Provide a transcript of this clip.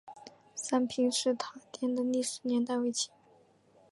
三平寺塔殿的历史年代为清。